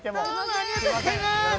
ありがとうございます。